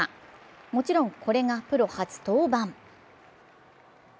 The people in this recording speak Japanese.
もちろん、これがプロ初登板。